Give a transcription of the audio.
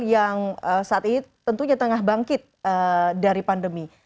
yang saat ini tentunya tengah bangkit dari pandemi